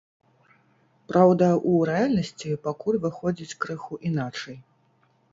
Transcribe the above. Праўда, у рэальнасці пакуль выходзіць крыху іначай.